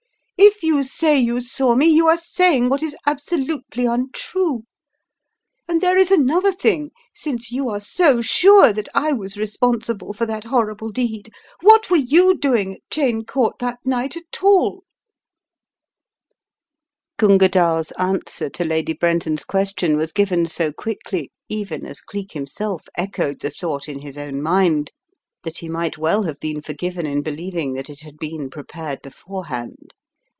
If you say you saw me, you are saying what is absolutely untrue. And there is another thing, since you are so sure that I was responsible for that horrible deed, what were you doing at Cheyne Court that night at all?" Gunga DalTs answer to Lady Brenton's question was given so quickly, even as Cleek himself echoed the thought in his own mind, that he might well have been forgiven in believing that it had been prepared beforehand.